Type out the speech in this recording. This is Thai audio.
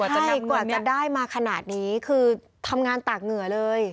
กว่าจะได้มาขนาดนี้คือทำงานตากเหงื่อเลย